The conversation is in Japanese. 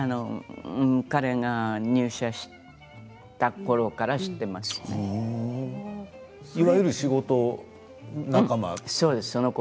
彼が入社したころからいわゆる仕事仲間。